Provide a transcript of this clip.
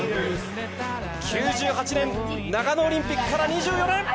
９８年長野オリンピックから２４年。